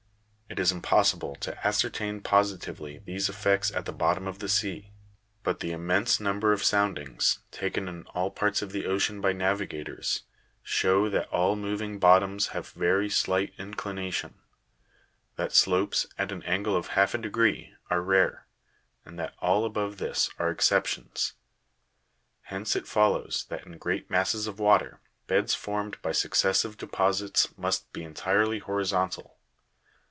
It is impossible to ascertain positively these effects at the bottom of the sea ; but the immense number of soundings, taken in all parts of the ocean by navigators, show that all moving bottoms have very slight inclination ; that slopes, at an angle of half a degree, are rare, and that all above this are exceptions : hence it follows, that in great masses of water, beds formed by successive deposits must be entirely horizontal.